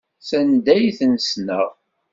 S anda i ten-ssneɣ.